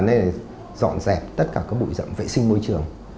nên dọn dẹp tất cả các bụi rậm vệ sinh môi trường